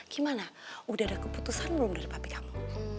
gimana udah ada keputusan belum dari pabrik kamu